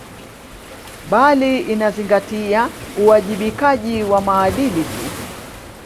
Bali inazingatia uwajibikaji wa maadili tu